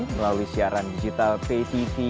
melalui siaran digital patv